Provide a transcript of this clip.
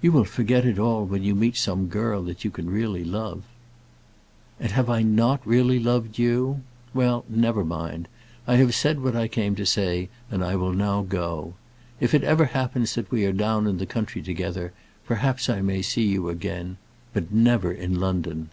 "You will forget it all when you meet some girl that you can really love." "And have I not really loved you? Well, never mind. I have said what I came to say, and I will now go. If it ever happens that we are down in the country together, perhaps I may see you again; but never in London.